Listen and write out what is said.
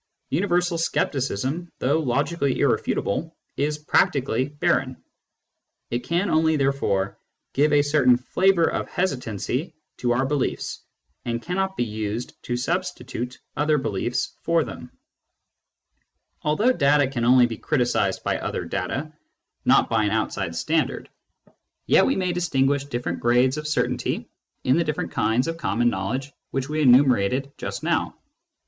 Universal scepticism, though logically irrefutable, is practically barren ; it can only, therefore, give a certain flavour of hesitancy to our beliefs, and cannot be used to substitute other beliefs for them. Although data can only be criticised by other data, not by an outside standard, yet we may distinguish different grades of certainty in the different kinds of common knowledge which we enumerated just now.